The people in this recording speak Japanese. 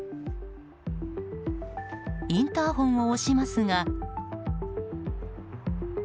インターホンを押しますが。